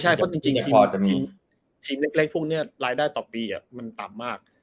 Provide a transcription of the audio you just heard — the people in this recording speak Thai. ใช่เพราะจริงทีมเล็กพวกนี้รายได้ต่อปีมันต่ำมาก